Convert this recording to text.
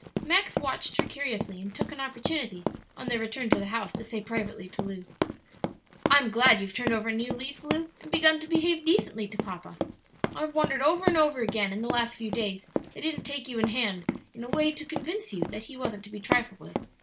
Max watched her curiously, and took an opportunity, on their return to the house, to say privately to her, "I'm glad you've turned over a new leaf, Lu, and begun to behave decently to papa; I've wondered over and over again in the last few days that he didn't take you in hand in a way to convince you that he wasn't to be trifled with.